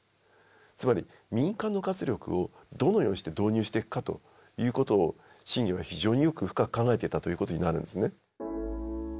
つまり民間の活力をどのようにして導入していくかということを信玄は非常によく深く考えていたということになるんですね。